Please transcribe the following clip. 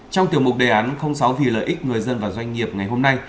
trong tiểu mục đề án sáu vì lợi ích người dân và doanh nghiệp ngày hôm nay